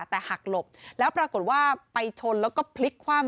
แต่หักหลบแล้วปรากฏว่าไปชนแล้วก็พลิกคว่ำ